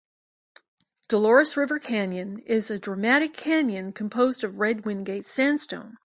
Dolores River Canyon is a dramatic canyon composed of red Wingate Sandstone.